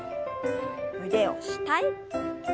腕を下へ。